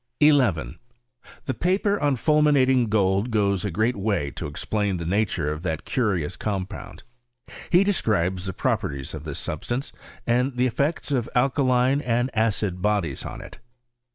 1 1 . The paper on fulminating gold goes a great 'Way to explain the nature of that curious compound He describes the properties of this substance, and the effects of alkaline and acid bodies on it.